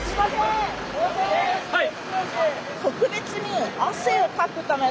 はい！